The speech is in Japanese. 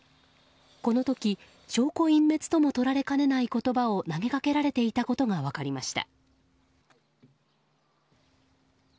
この時、証拠隠滅ともとられかねない言葉を投げかけられていたことが分かりました。